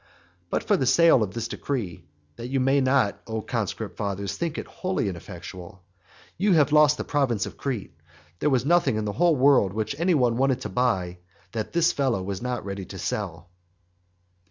But by the sale of this decree (that you may not, O conscript fathers, think it wholly ineffectual) you have lost the province of Crete. There was nothing in the whole world which any one wanted to buy that this fellow was not ready to sell.